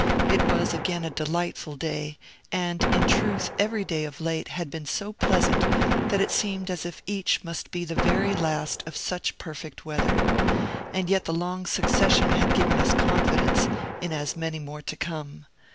It was again a delightful day; and, in truth, every day, of late, had been so pleasant that it seemed as if each must be the very last of such perfect weather; and yet the long succession had given us confidence in as many more to come.